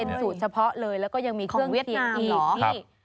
เป็นแบบสูตรเฉพาะเลยและยังมีเครื่องเคียงอีก